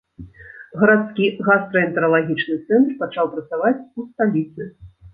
Гарадскі гастраэнтэралагічны цэнтр пачаў працаваць у сталіцы.